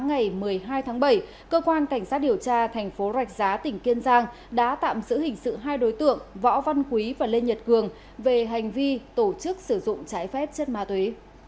ngày một mươi hai tháng bảy cơ quan cảnh sát điều tra thành phố rạch giá tỉnh kiên giang đã tạm giữ hình sự hai đối tượng võ văn quý và lê nhật cường về hành vi tổ chức sử dụng trái phép chất ma túy